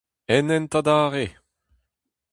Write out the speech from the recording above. En hent adarre !